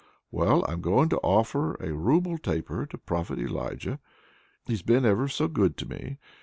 "Well, I'm going to offer a rouble taper to Prophet Elijah; he's been ever so good to me!